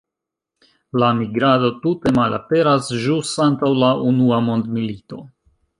La migrado tute malaperas ĵus antaŭ la Unua mondmilito.